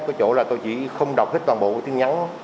cái chỗ là tôi chỉ không đọc hết toàn bộ tin nhắn